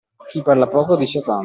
Chi parla poco, dice tanto.